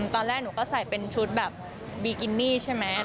ตอนแรกหนูก็ใส่เป็นชุดแบบบีกินี่ใช่ไหม